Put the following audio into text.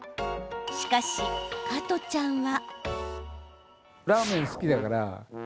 しかし、加トちゃんは。